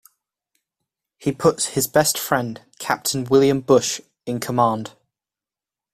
He puts his best friend, Captain William Bush, in command.